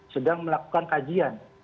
sedang melakukan kajian